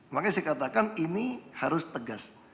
makanya saya katakan ini harus tegas